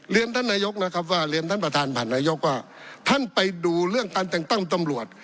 เรียนท่านประธานผ่านนายกว่าท่านไปดูเรื่องการแต่งตั้งตำรวจ